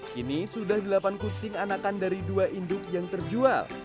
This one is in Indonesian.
kini sudah delapan kucing anakan dari dua induk yang terjual